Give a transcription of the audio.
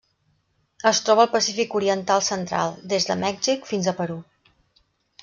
Es troba al Pacífic oriental central: des de Mèxic fins al Perú.